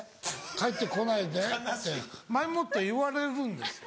「帰って来ないで」って前もって言われるんですよ。